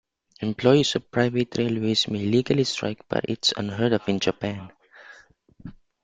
Employees of private railways may legally strike but its unheard of in Japan.